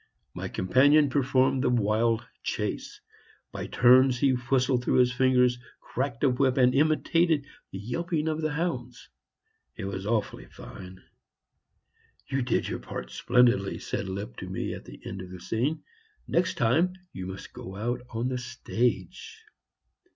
My companion performed the wild chase. By turns he whistled through his fingers, cracked a whip, and imitated the yelping of the hounds. It was awfully fine. "You did your part splendidly," said Lipp to me at the end of the scene; "next time you must go out on the stage."